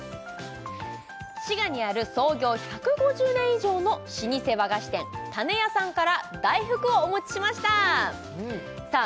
滋賀にある創業１５０年以上の老舗和菓子店たねやさんから大福をお持ちしましたさあ